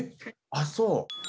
あっそう。